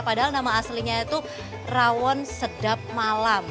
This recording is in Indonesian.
padahal nama aslinya itu rawon sedap malam